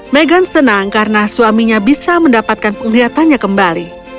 meghan senang karena suaminya bisa mendapatkan penglihatannya kembali